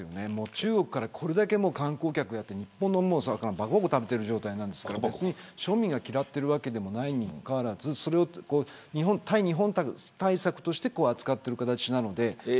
中国から、これだけ観光客がやって来て日本のものばくばく食べている状態なので別に庶民が嫌っているわけでもないにもかかわらず対日本対策として扱っている形なので。